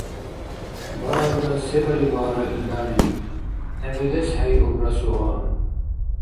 — Баралра се барибара илдани? — хӏебедес хӏейубра суал.